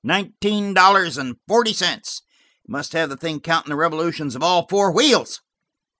"Nineteen dollars and forty cents! He must have the thing counting the revolutions of all four wheels!"